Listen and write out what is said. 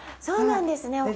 そうなんですね。